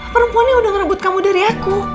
perempuan itu udah ngerebut kamu dari aku